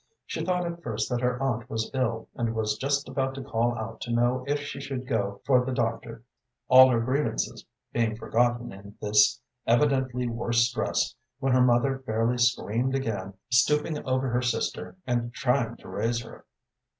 She thought at first that her aunt was ill, and was just about to call out to know if she should go for the doctor, all her grievances being forgotten in this evidently worse stress, when her mother fairly screamed again, stooping over her sister, and trying to raise her.